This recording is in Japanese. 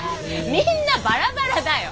みんなバラバラだよ。